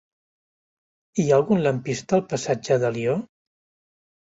Hi ha algun lampista al passatge d'Alió?